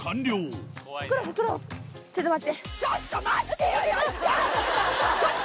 ちょっと待って。